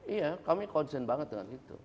iya kami konsen banget dengan itu